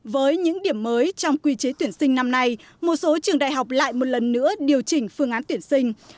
với những điểm mới trong quy chế tuyển sinh năm nay một số trường đại học lại một lần nữa điều chỉnh phương án tuyển sinh